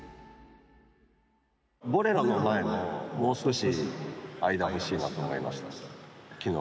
「Ｂｏｌｅｒｏ」の前ももう少し間欲しいなと思いました昨日。